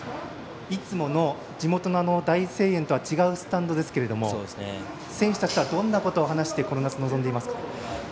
いつもの地元の大声援とは違うスタンドですが選手たちはどんなことを話してこの夏、臨んでいますか？